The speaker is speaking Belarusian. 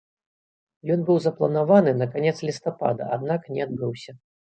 Ён быў запланаваны на канец лістапада, аднак не адбыўся.